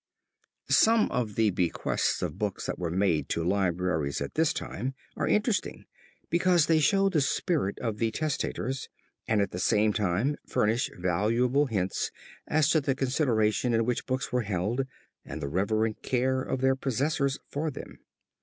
Some of the bequests of books that were made to libraries at this time are interesting, because they show the spirit of the testators and at the same time furnish valuable hints as to the consideration in which books were held and the reverent care of their possessors for them.